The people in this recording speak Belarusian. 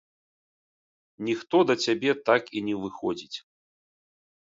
Ніхто да цябе так і не выходзіць.